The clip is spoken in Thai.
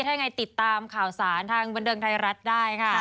ถ้ายังไงติดตามข่าวสารทางบันเทิงไทยรัฐได้ค่ะ